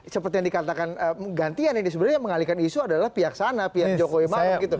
seperti yang dikatakan gantian ini sebenarnya yang mengalihkan isu adalah pihak sana pihak jokowi maruf gitu